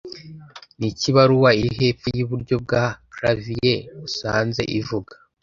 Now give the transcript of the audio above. Niki Ibaruwa iri hepfo yiburyo bwa clavier usanze ivuga?